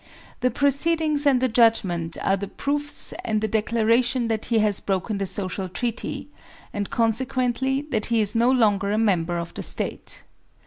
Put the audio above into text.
The proceed ings and the judgment are the proofs and the declaration that he has broken the social treaty, and consequently that he is no longer a member of the State.